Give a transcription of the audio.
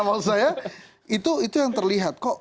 namanya saya itu itu yang terlihat kok